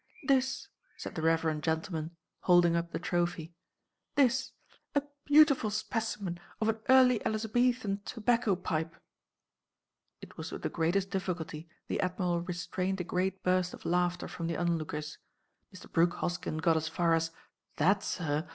"This," said the reverend gentleman, holding up the trophy. "This. A beautiful specimen of an early Elizabethan tobacco pipe!" It was with the greatest difficulty the Admiral restrained a great burst of laughter from the onlookers. Mr. Brooke Hoskyn got as far as "That, sir?